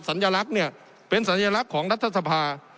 สัญลักษณ์เนี่ยเป็นสัญลักษณ์ของรัฐสภา